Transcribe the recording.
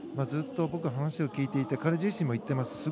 ずっと僕、話を聞いて彼自身も言っています。